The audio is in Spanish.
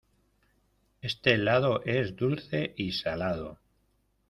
Este helado es dulce y salado.